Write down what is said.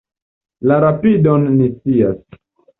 La rapidon ni scias.